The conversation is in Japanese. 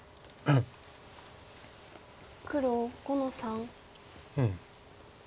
黒５の三。